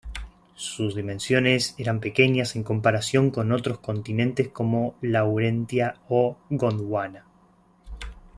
Sus dimensiones eran pequeñas en comparación con otros continentes como Laurentia o Gondwana.